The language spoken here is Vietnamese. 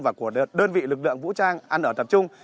và của đơn vị lực lượng vũ trang ăn ở tập trung